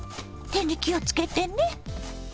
手に気をつけてね。